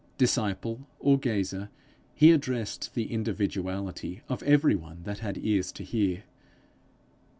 Disciple or gazer, he addressed the individuality of every one that had ears to hear.